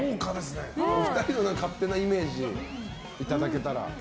お二人の勝手なイメージいただけたら。